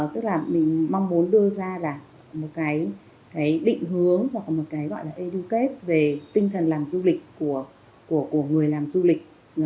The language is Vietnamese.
tức là mình mong muốn đưa ra là một cái định hướng hoặc một cái gọi là educate về tinh thần làm du lịch của người làm du lịch